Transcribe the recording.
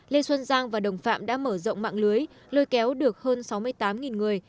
lê xuân giang và đồng phạm đã mở rộng mạng lưới lôi kéo được hơn sáu mươi tám người